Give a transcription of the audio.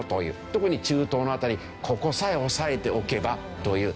特に中東の辺りここさえ押さえておけばという。